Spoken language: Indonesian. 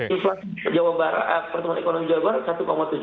inflasi pertumbuhan ekonomi jawa barat satu tujuh puluh enam